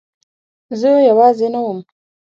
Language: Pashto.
زه یوازې نه وم.